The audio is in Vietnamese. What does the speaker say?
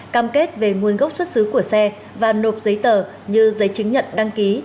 cam kết về nguồn gốc xuất xứ của xe và nộp giấy tờ như giấy chứng nhận đăng ký